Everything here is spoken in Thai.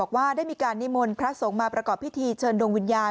ว่าได้มีการนิมนต์พระสงฆ์มาประกอบพิธีเชิญดวงวิญญาณ